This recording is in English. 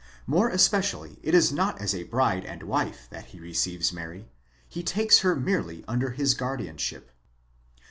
More especially it is not as a bride and wife that he receives Mary ; he takes her merely under his guardianship.